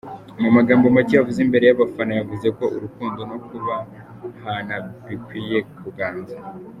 Mu magambo make yavuze imbere y’abafana yavuze ko ‘urukundo no kubahana bikwiye kuganza’.